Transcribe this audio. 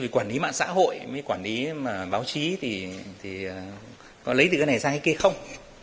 quản lý mạng xã hội với quản lý báo chí thì có lấy từ cái này sang cái kia không